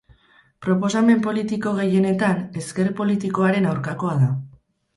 Proposamen politiko gehienetan ezker politikoaren aurkakoa da.